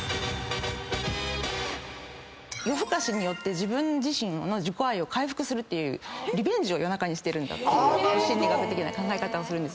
夜更かしによって自分自身の自己愛を回復するっていうリベンジを夜中にしてるんだっていう心理学的な考え方をする。